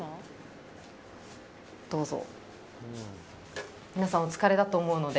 どうぞ。